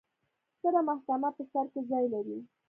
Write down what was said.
ستره محکمه په سر کې ځای لري.